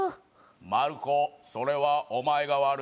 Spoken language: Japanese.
「まる子それはお前が悪い」。